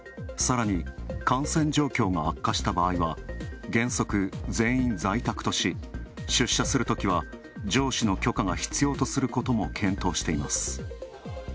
さらに感染状況が悪化した場合は原則、全員在宅とし、上司の許可が必要とすることも検討しています。